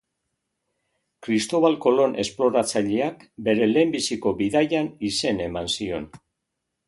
Kristobal Kolon esploratzaileak bere lehenbiziko bidaian izen eman zion.